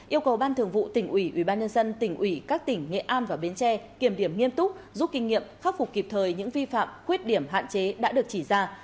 yêu cầu ban thường vụ tỉnh ủy ubnd tỉnh ủy các tỉnh nghệ an và bến tre kiểm điểm nghiêm túc rút kinh nghiệm khắc phục kịp thời những vi phạm khuyết điểm hạn chế đã được chỉ ra